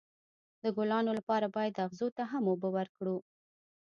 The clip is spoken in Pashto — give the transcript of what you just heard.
د ګلانو لپاره باید اغزو ته هم اوبه ورکړو.